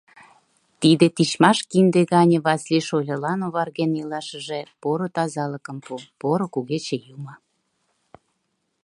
Тиде тичмаш кинде гане Васлий шольылан оварген илашыже поро тазалыкым пу, Поро Кугече Юмо!